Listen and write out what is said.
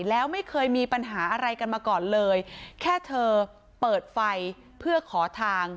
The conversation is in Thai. แล้วไม่เคยมีปัญหาอะไรกันมาก่อนเลยแค่เธอเปิดไฟเพื่อขอทาง